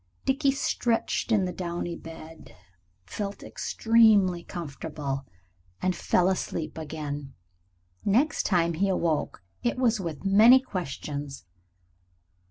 Dickie stretched in the downy bed, felt extremely comfortable, and fell asleep again. Next time he awoke it was with many questions.